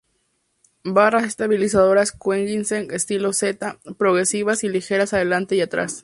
Barras estabilizadoras Koenigsegg estilo Z progresivas y ligeras adelante y atrás.